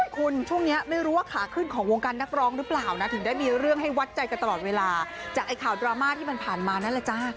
คุณช่วงนี้ไม่รู้ว่าขาขึ้นของวงการนักร้องหรือเปล่านะถึงได้มีเรื่องให้วัดใจกันตลอดเวลาจากไอ้ข่าวดราม่าที่มันผ่านมานั่นแหละจ้า